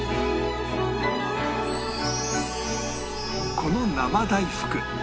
この生大福